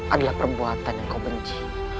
adalah perbuatan yang kau benci